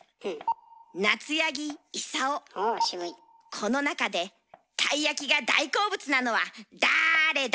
この中でたい焼きが大好物なのはだれだ？